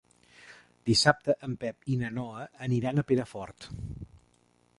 Dissabte en Pep i na Noa aniran a Perafort.